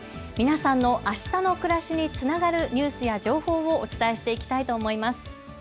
皆さんのあしたの暮らしにつながるニュースや情報をお伝えしていきたいと思います。